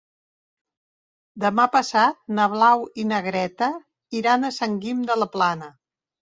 Demà passat na Blau i na Greta iran a Sant Guim de la Plana.